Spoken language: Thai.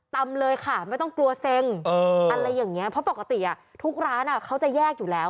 ตำเลยค่ะไม่ต้องกลัวเซ็งอะไรอย่างนี้เพราะปกติทุกร้านเขาจะแยกอยู่แล้ว